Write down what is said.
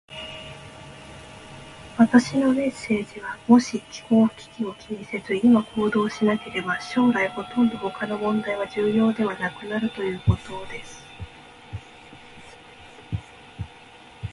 私のメッセージは、もし気候危機を気にせず、今行動しなければ、将来ほとんど他の問題は重要ではなくなるということです。